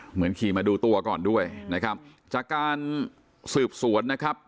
เหมือนขี่มาดูตัวก่อนด้วยนะครับจากการสืบสวนนะครับ